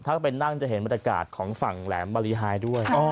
ถ้าเป็นนั่นจะเห็นมันอากาศของฝั่งแหลมมะลีฮายด้วย